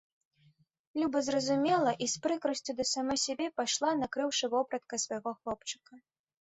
Люба зразумела і з прыкрасцю да самой сябе пайшла, накрыўшы вопраткай свайго хлопчыка.